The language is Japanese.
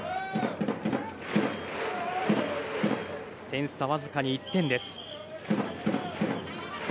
点差わずかに１点です。